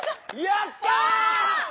やった！